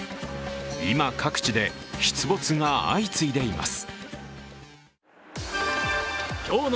今、各地で出没が相次いでいます。